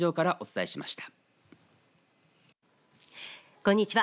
こんにちは。